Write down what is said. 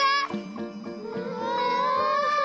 うわ！